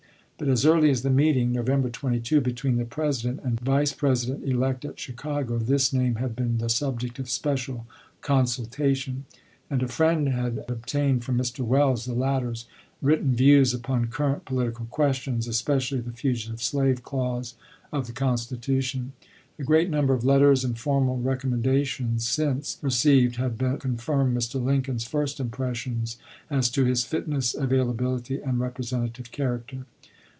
But as early as the meeting (November 22) between the President and Vice iseo. President elect at Chicago, this name had been the subject of special consultation; and a friend had obtained from Mr. Welles the latter's written views upon current political questions, especially the fugitive slave clause of the Constitution. A great number of letters and formal recommenda tions since received had but confirmed Mr. Lin coln's first impressions as to his fitness, availability, and representative character.